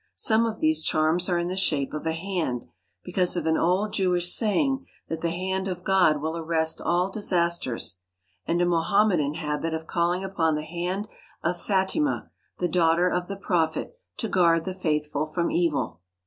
Some of these charms are in the shape of a hand, because of an old Jewish saying that the hand of God will arrest all dis asters, and a Mohammedan habit of calling upon the hand of Fatima, the daughter of the Prophet, to guard the Faithful from evil.